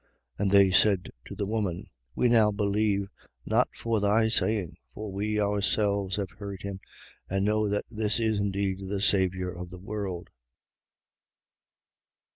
4:42. And they said to the woman: We now believe, not for thy saying: for we ourselves have heard him and know that this is indeed the Saviour of the world.